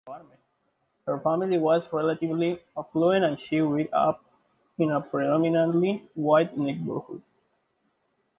Her family was relatively affluent and she grew up in a predominantly white neighborhood.